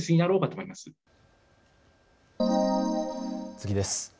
次です。